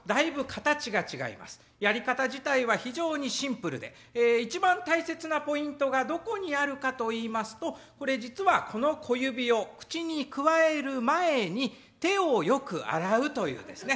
やり方自体は非常にシンプルで一番大切なポイントがどこにあるかといいますとこれ実はこの小指を口にくわえる前に手をよく洗うというですね